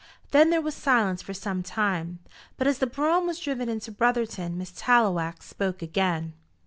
Then there was silence for some time; but as the brougham was driven into Brotherton Miss Tallowax spoke again.